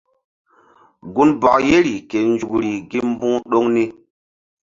Gunbɔk yeri ke nzukri gi mbu̧h ɗoŋ ni.